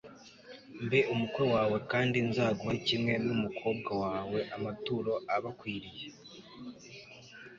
mbe umukwe wawe kandi nzaguhe kimwe n'umukobwa wawe, amaturo abakwiriye